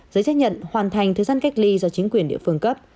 giấy xác nhận hoàn thành thời gian cách ly do chính quyền địa phương cấp